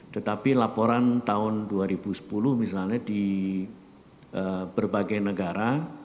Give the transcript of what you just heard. tetapi laporan tahun dua ribu sepuluh misalnya di berbagai negara